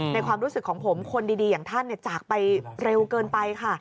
ความรู้สึกของผมคนดีอย่างท่านจากไปเร็วเกินไปค่ะ